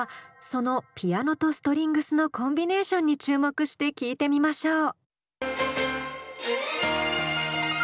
そのピアノとストリングスのコンビネーションに注目して聴いてみましょう。